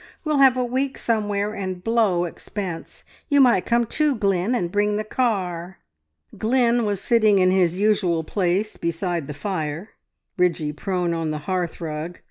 We'll have a week somewhere, and blow expense. You might come too, Glynn, and bring the car." Glynn was sitting in his usual place beside the fire; Bridgie was by the bed; Pixie prone on the hearthrug.